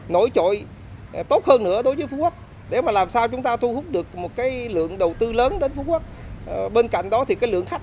nổi trội tốt hơn nữa đối với phú quốc để mà làm sao chúng ta thu hút được một lượng đầu tư lớn đến phú quốc